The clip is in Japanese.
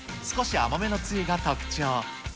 少し甘めのつゆが特徴。